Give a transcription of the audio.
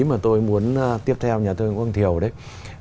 mà tôi muốn tiếp theo nhà thơ nguyễn quang thiều đấy